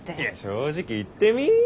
いや正直言ってみ。